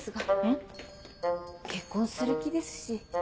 ん？結婚する気ですし。